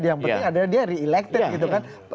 yang penting adalah dia re elected gitu kan